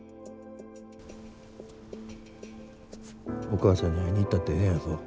お母ちゃんに会いに行ったってええんやぞ。